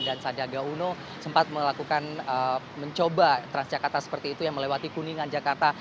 dan sandiaga uno sempat melakukan mencoba transjakarta seperti itu yang melewati kuningan jakarta